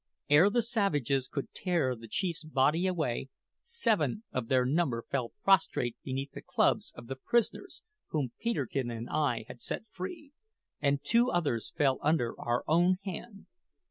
Ere the savages could tear the chief's body away, seven of their number fell prostrate beneath the clubs of the prisoners whom Peterkin and I had set free, and two others fell under our own hand.